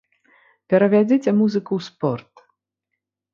Перавядзіце музыку ў спорт.